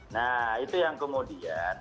nah itu yang kemudian